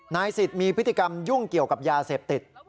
นายสิทธิ์มีพฤติกรรมยุ่งเกี่ยวกับยาเสพติด